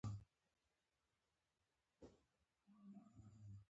طبیعت د ټولو ژوندیو موجوداتو مور ده.